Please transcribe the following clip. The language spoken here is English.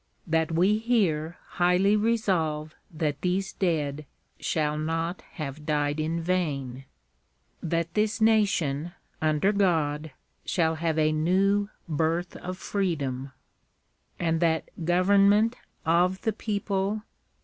.. that we here highly resolve that these dead shall not have died in vain. .. that this nation, under God, shall have a new birth of freedom. .. and that government of the people.